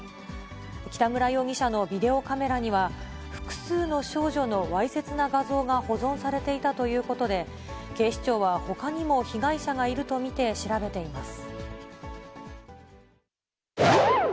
北村容疑者のビデオカメラには、複数の少女のわいせつな画像が保存されていたということで、警視庁はほかにも被害者がいると見て、調べています。